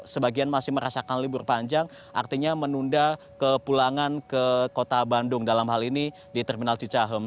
sebagian masih merasakan libur panjang artinya menunda kepulangan ke kota bandung dalam hal ini di terminal cicahem